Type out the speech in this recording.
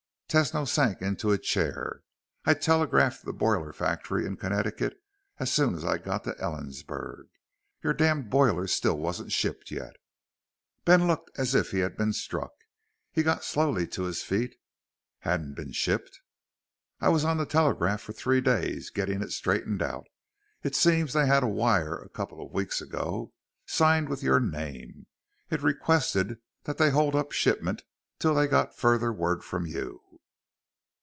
Tesno sank into a chair. "I telegraphed the boiler factory in Connecticut as soon as I got to Ellensburg. Your damned boiler still wasn't shipped yet." Ben looked as if he had been struck. He got slowly to his feet. "Hadn't been shipped!" "I was on the telegraph for three days getting it straightened out. It seems they had a wire a couple of weeks ago, signed with your name. It requested that they hold up shipment till they got further word from you."